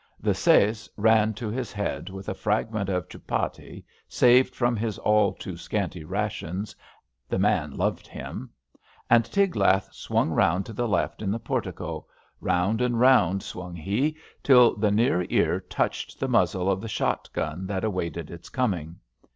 '' The sais ran to his head with a fragment of chupatti, saved from his all too scanty rations; the man loved him. And Tiglath swung round to the left in the portico ; round and round swung he, till the near ear touched the muzzle of the shot gun that waited its coming.